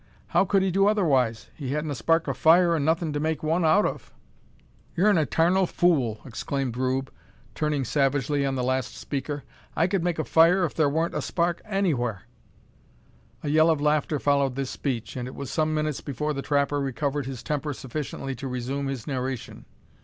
"How could he do otherwise? He hadn't a spark o' fire, an' nothing to make one out of." "Yur'n etarnal fool!" exclaimed Rube, turning savagely on the last speaker. "I kud make a fire if thur wa'n't a spark anywhar!" A yell of laughter followed this speech, and it was some minutes before the trapper recovered his temper sufficiently to resume his narration.